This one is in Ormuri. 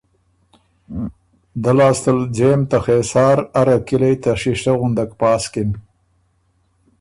دۀ لاسته ل ځېم ته خېسار اره کِلئ ته شیشۀ غُندک پاسکِن۔